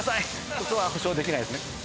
そこは保証できないですね